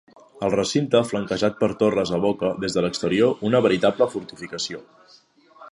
El recinte flanquejat per torres evoca, des de l'exterior, una veritable fortificació.